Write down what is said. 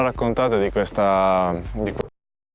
mereka telah bercerita tentang ini